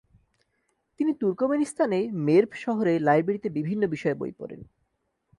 তিনি তুর্কমেনিস্তান এ মেরভ শহরে লাইব্রেরিতে বিভিন্ন বিষয়ে বই পড়েন ।